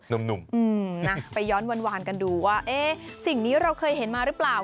หนุ่มนะไปย้อนวานกันดูว่าสิ่งนี้เราเคยเห็นมาหรือเปล่า